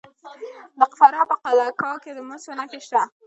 د فراه په قلعه کاه کې د مسو نښې شته.